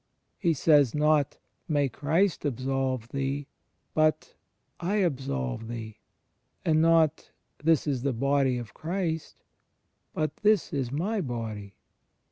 He says not, "May Christ absolve thee"; but "I absolve thee"; not, "This is the Body of Christ"; but, "This is My Body."